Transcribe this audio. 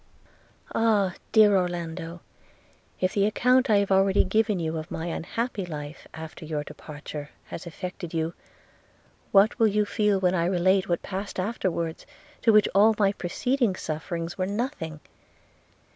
'Ah, dear Orlando! If the account I have already given you of my unhappy life after your departure has affected you, what will you feel when I relate what passed afterwards, to which all my preceding sufferings were nothing!